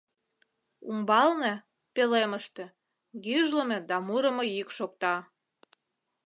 Умбалне, пӧлемыште, гӱжлымӧ да мурымо йӱк шокта.